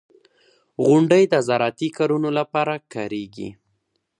• غونډۍ د زراعتي کارونو لپاره کارېږي.